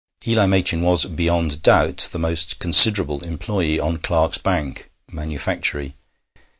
Eli Machin was beyond doubt the most considerable employé on Clarke's 'bank' (manufactory).